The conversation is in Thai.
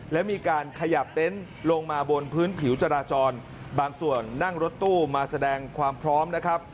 และมีการขยับเต็นต์ลงมาบนพื้นผิวจราจรบางส่วนนั่งรถตู้มาแสดงความพร้อมนะครับ